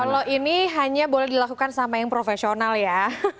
kalau ini hanya boleh dilakukan sama yang profesional ya